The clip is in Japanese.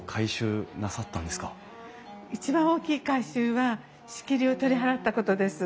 一番大きい改修は仕切りを取り払ったことです。